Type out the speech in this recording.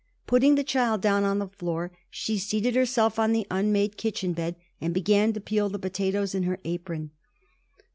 Putting the child down on the floor, she seated herself on the unmade kitchen bed and began to peel the potatoes in her apron.